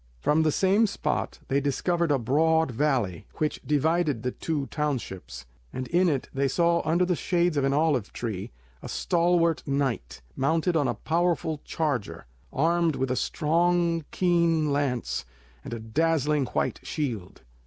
From the same spot they discovered a broad valley, which divided the two townships, and in it they saw under the shades of an olive a stalwart knight, mounted on a powerful charger, armed with a strong keen lance and a dazzlingly white shield.